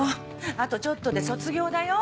あとちょっとで卒業だよ。